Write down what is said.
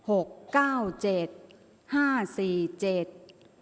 ออกรางวัลที่๖เลขที่๗